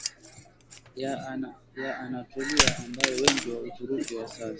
ya Anatolia ambayo wengi wa Uturuki wa sasa